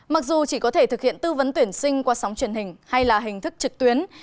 mặc dù chỉ có thể thực hiện tư vấn tuyển sinh qua sóng truyền hình hay là hình thức trực tuyến